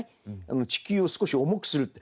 地球を少し重くするって。